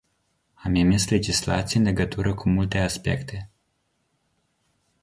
Am emis legislații în legătură cu multe aspecte.